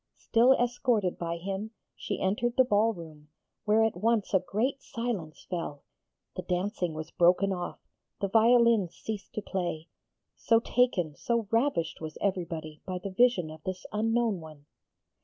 Still escorted by him she entered the ball room, where at once a great silence fell, the dancing was broken off, the violins ceased to play so taken, so ravished was everybody by the vision of this unknown one.